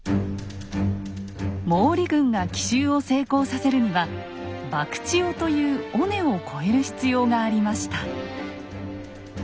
毛利軍が奇襲を成功させるには博打尾という尾根を越える必要がありました。